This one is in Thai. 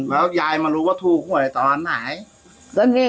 แล้วยายมันรู้ว่าถูกหัวหน่อยตอนไหน